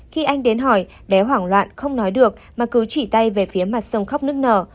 khi anh đến hỏi bé hoảng loạn không nói được mà cứ chỉ tay về phía mặt sông khóc nước nở